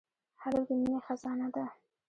هلک د مینې خزانه ده.